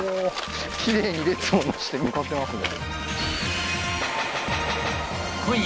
きれいに列をなして向かってますね